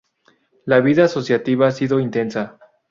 La vida asociativa ha sido intensa.